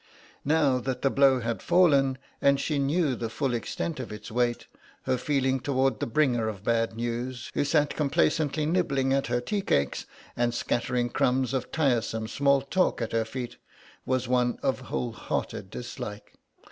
Now that the blow had fallen and she knew the full extent of its weight, her feeling towards the bringer of bad news, who sat complacently nibbling at her tea cakes and scattering crumbs of tiresome small talk at her feet, was one of wholehearted dislike.